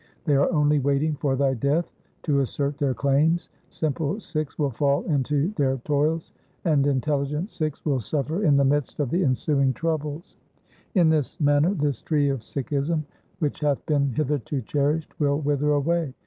They are only waiting for thy death to assert their claims. Simple Sikhs will fall into their toils, and intelligent Sikhs will suffer in the midst of the ensuing troubles. In LIFE OF GURU HAR KRISHAN 329 this manner this tree of Sikhism, which hath been hitherto cherished, will wither away.